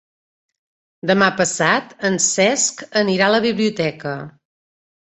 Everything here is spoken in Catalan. Demà passat en Cesc anirà a la biblioteca.